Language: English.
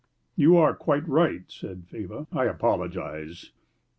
"You are quite right," said Faber. "I apologize."